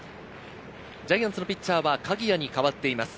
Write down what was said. ジャイアンツのピッチャーは鍵谷に代わっています。